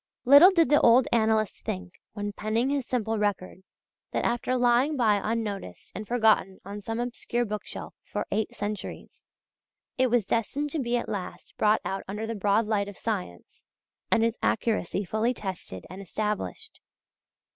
Little did the old annalist think, when penning his simple record, that after lying by unnoticed and forgotten on some obscure bookshelf for eight centuries, it was destined to be at last brought out under the broad light of science, and its accuracy fully tested and established.